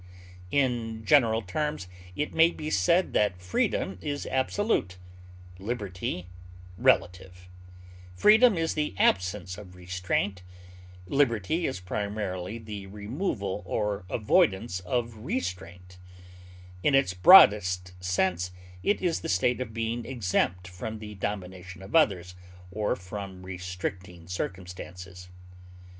In general terms, it may be said that freedom is absolute, liberty relative; freedom is the absence of restraint, liberty is primarily the removal or avoidance of restraint; in its broadest sense, it is the state of being exempt from the domination of others or from restricting circumstances.